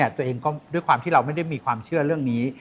ตัวเองก็ด้วยความที่เราไม่ได้มีความเชื่อเรื่องนี้